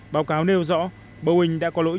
báo cáo nêu rõ boeing đã có lỗi